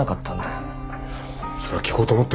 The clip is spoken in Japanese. いやそれは聞こうと思ったよ。